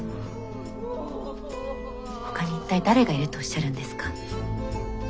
ほかに一体誰がいるとおっしゃるんですか？